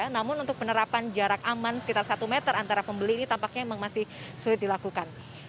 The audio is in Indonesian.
namun untuk penerapan jarak aman sekitar satu meter antara pembeli ini tampaknya memang masih sulit dilakukan